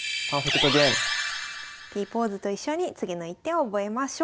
Ｐポーズと一緒に次の一手を覚えましょう。